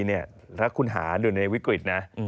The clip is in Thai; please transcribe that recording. ถ้าคุณหารอยู่ในวิกฤตนะ